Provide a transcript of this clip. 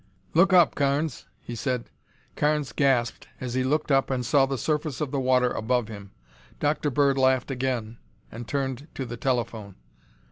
"Look up, Carnes," he said. Carnes gasped as he looked up and saw the surface of the water above him. Dr. Bird laughed again and turned to the telephone.